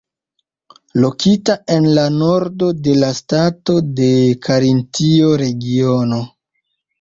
Lokita en la nordo de la stato de Karintio regiono.